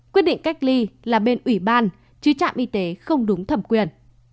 quyết định cách ly là bên ủy ban chứ trạm y tế không đúng thẩm quyền